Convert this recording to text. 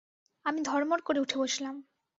আমি ধড়মড় করে উঠে বসলাম।